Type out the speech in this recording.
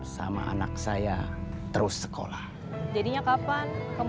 sama anak saya terus sekolah jadinya kapan